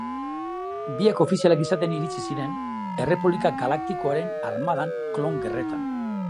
Biak ofizialak izatera iritsi ziren Errepublika Galaktikoaren armadan Klon Gerretan.